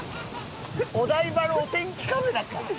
お台場のお天気カメラか！